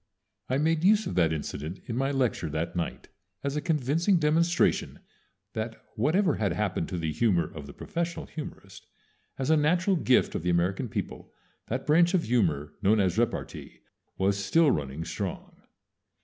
_" I made use of that incident in my lecture that night as a convincing demonstration that whatever had happened to the humor of the professional humorist, as a natural gift of the American people that branch of humor known as repartee was still running strong.